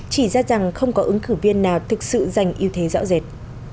chỉ ra rằng không có ứng cử viên nào thực sự giành ưu thế rõ rệt